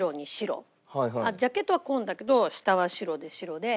ジャケットは紺だけど下は白で白で。